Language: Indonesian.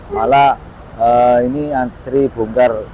malah ini antri bongkar